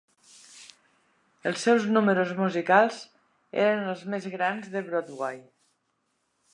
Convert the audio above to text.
Els seus números musicals eren els més grans de Broadway.